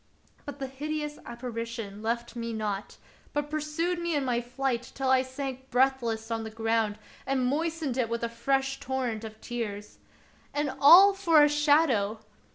But the hideous apparition left me not, but pur sued me in my flight till I sank breathless on the ground and moistened it with a fresh torrent of tears. And all for a shadow